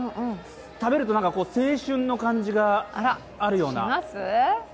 食べると青春の感じがあるような。